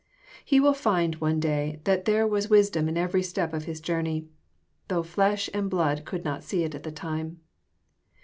He will find one day that there was wis dom in every step of his journey, though flesh and blood could not see it at the time.